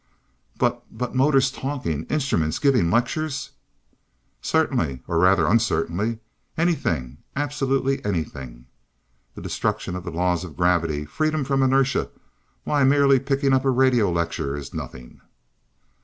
"But but motors talking, instruments giving lectures " "Certainly or rather uncertainly anything, absolutely anything. The destruction of the laws of gravity, freedom from inertia why, merely picking up a radio lecture is nothing!"